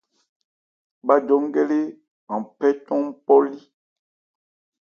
Bhájɔ́ nkɛ́ lé an phɛ́ cɔn npɔ́ lí.